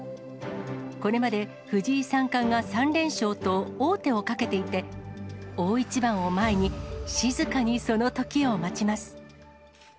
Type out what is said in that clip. これまで藤井三冠が３連勝と王手をかけていて、大一番を前に、静かにそのときを待ちます。